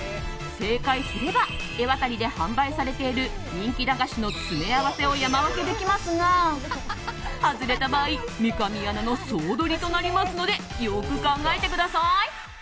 正解すればエワタリで販売されている人気駄菓子の詰め合わせを山分けできますが外れた場合三上アナの総取りとなりますのでよく考えてください。